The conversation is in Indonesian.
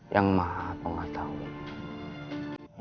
yang maha pengatami